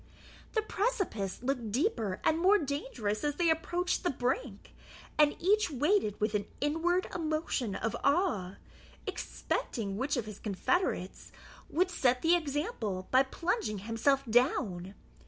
The precipice looked deeper and more dangerous as they approached the brink, and each waited with an inward emotion of awe, expecting which of his confederates would set the example by plunging himself down.